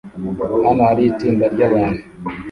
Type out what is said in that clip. Hano hari itsinda ryabantu